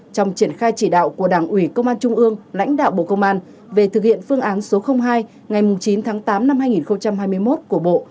trong triển khai chỉ đạo của đảng ủy công an trung ương lãnh đạo bộ công an về thực hiện phương án số hai ngày chín tháng tám năm hai nghìn hai mươi một của bộ